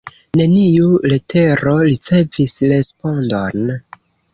Neniu letero ricevis respondon.